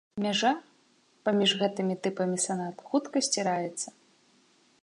Мяжа паміж гэтымі тыпамі санат хутка сціраецца.